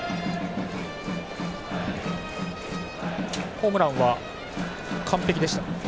ホームランは完璧でしたか？